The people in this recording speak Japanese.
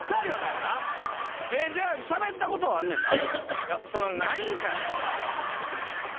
じゃあしゃべったことはあんねんな？